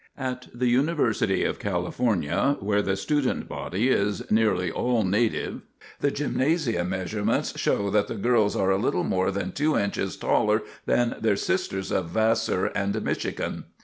At the University of California, where the student body is nearly all native, the gymnasium measurements show that the girls are a little more than two inches taller than their sisters of Vassar and Michigan.